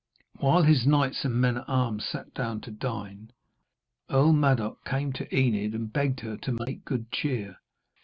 While his knights and men at arms sat down to dine, Earl Madoc came to Enid and begged her to make good cheer.